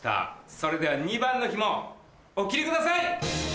それでは２番のひもお切りください！